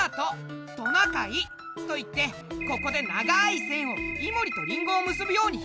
オレはここで長い線を「イモリ」と「リンゴ」をむすぶように引いたんだ。